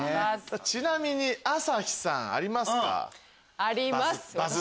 ちなみに朝日さんありますか？